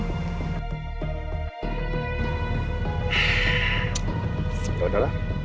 gak ada lah